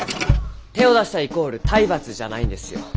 手を出したイコール体罰じゃないんですよ。